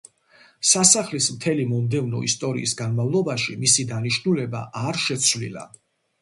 სასახლის მთელი მომდევნო ისტორიის განმავლობაში მისი დანიშნულება არ შეცვლილა.